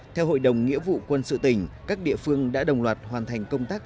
theo hội đồng nghĩa vụ quân sự tỉnh các địa phương đã đồng loạt hoàn thành công tác